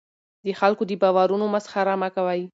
د خلکو د باورونو مسخره مه کوه.